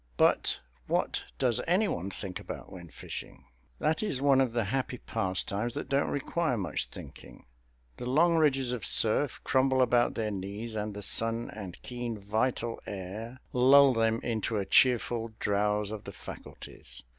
But what does any one think about when fishing? That is one of the happy pastimes that don't require much thinking. The long ridges of surf crumble about their knees and the sun and keen vital air lull them into a cheerful drowse of the faculties.